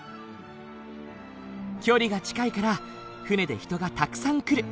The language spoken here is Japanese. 距離が近いから船で人がたくさん来る。